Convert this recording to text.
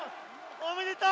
おめでとう！